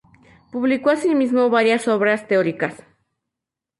Publicó asimismo varias obras teóricas.